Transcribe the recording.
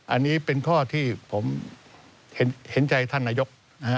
อันนี้เป็นข้อที่ผมเห็นใจท่านนายก